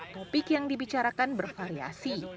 topik yang dibicarakan bervariasi